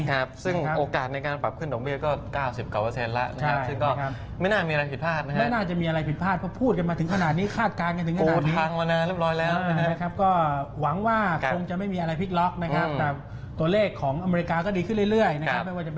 ครับซึ่งโอกาสในการปรับขึ้นดอกเบี้ยก็๙๐กว่าเปอร์เซ็นต์แล้วนะครับ